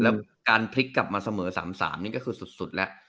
แล้วการกลับกลับมาเสมอสามสามนี้ก็คือสุดสุดแล้ว